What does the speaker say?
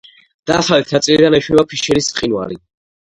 დასავლეთ ნაწილიდან ეშვება ფიშერის მყინვარი.